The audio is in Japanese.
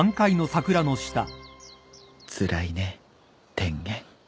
つらいね天元。